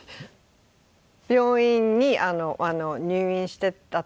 病院に入院してた所で。